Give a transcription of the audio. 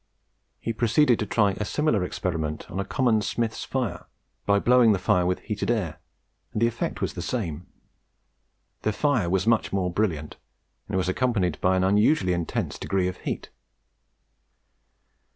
He proceeded to try a similar experiment on a common smith's fire, by blowing the fire with heated air, and the effect was the same; the fire was much more brilliant, and accompanied by an unusually intense degree of heat.